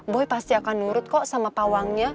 boy pasti akan nurut kok sama pawangnya